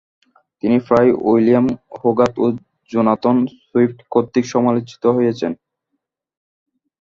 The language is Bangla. তিনি প্রায়ই উইলিয়াম হোগার্থ ও জোনাথন সুইফট কর্তৃক সমালোচিত হয়েছেন।